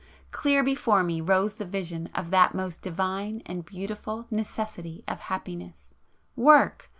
Clear before me rose the vision of that most divine and beautiful necessity of happiness,—Work!